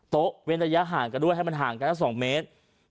โต๊ะเว้นระยะห่างกันด้วยให้มันห่างกันถ้าสองเมตร